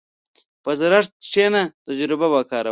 په زړښت کښېنه، تجربه وکاروه.